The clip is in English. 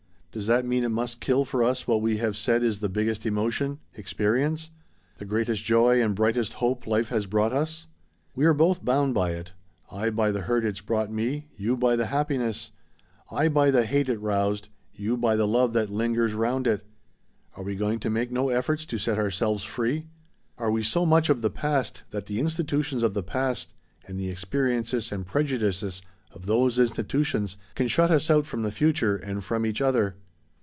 Does that mean it must kill for us what we have said is the biggest emotion experience the greatest joy and brightest hope life has brought us? "We're both bound by it. I by the hurt it's brought me, you by the happiness; I by the hate it roused, you by the love that lingers round it. Are we going to make no efforts to set ourselves free? Are we so much of the past that the institutions of the past and the experiences and prejudices of those institutions can shut us out from the future and from each other?